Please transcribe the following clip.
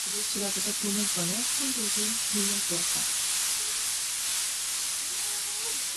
그리고 지갑에서 돈을 꺼내 선비에게 들려 주었다.